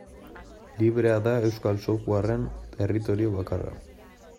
Librea da euskal softwarearen territorio bakarra.